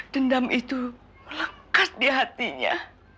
dendam itu lekat di hatinya